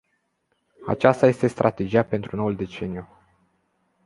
Aceasta este strategia pentru noul deceniu.